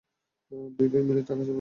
দুই ভাই মিলে টাকা ছাপাবো।